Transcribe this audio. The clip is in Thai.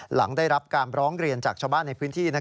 หลังได้รับการร้องเรียนจากชาวบ้านในพื้นที่